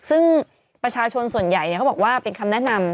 ซึ่งประชาชนส่วนใหญ่เขาบอกว่าเป็นคำแนะนำ